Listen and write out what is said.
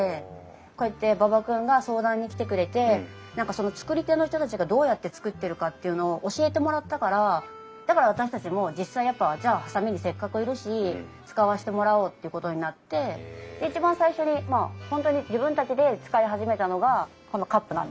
こうやって馬場君が相談に来てくれて何かその作り手の人たちがどうやって作っているかっていうのを教えてもらったからだから私たちも実際やっぱじゃあ波佐見にせっかくいるし使わせてもらおうっていうことになって一番最初にまあ本当に自分たちで使い始めたのがこのカップなんですよね。